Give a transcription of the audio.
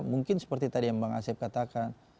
mungkin seperti tadi yang bang asep katakan